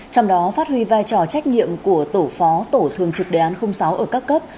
trong đó phát huy vai trò trách nhiệm của tổ phó tổ thường trực đề án sáu ở các cấp